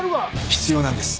必要なんです